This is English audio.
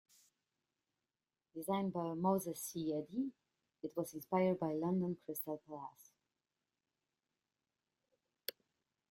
Designed by Moses C. Edey, it was inspired by London's Crystal Palace.